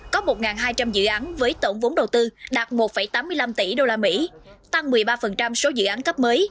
có một hai trăm linh dự án với tổng vốn đầu tư đạt một tám mươi năm tỷ usd tăng một mươi ba số dự án cấp mới